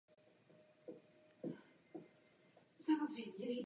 Nachází se zde šest autobusových zastávek.